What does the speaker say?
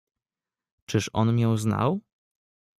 "Czyż on mię znał?"